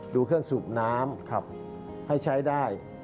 ดูเครื่องสูบน้ำให้ใช้ได้